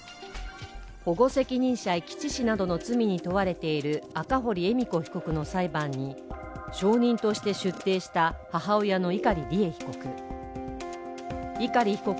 保護責任者遺棄致死などの罪に問われている赤堀恵美子被告の裁判に証人として出廷した母親の碇利恵被告。